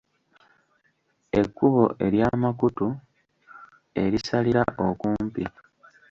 Ekkubo ery'amakutu erisalira okumpi.